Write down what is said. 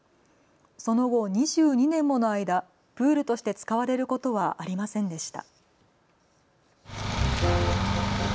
その後、２２年もの間、プールとして使われることはありませんでした。